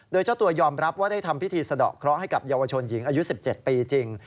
โดยเจ้าตัวยอมรับว่าได้ทำพิธีสะดอกเคราะห์ให้กับเยาวชนหญิงอายุ๑๗ปีจริง